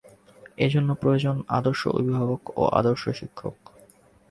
এ জন্য প্রয়োজন আদর্শ অভিভাবক ও আদর্শ শিক্ষক।